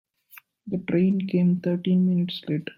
The train came thirteen minutes late.